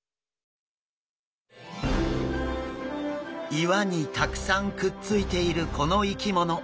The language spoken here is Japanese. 岩にたくさんくっついているこの生き物。